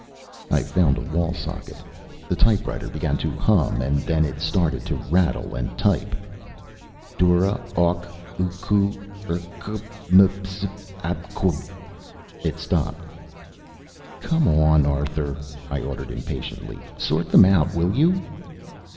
I found a wall socket. The typewriter began to hum and then it started to rattle and type: DURA AUK UKOO RQK MWS AQB It stopped. "Come on, Arthur," I ordered impatiently. "Sort them out, will you?"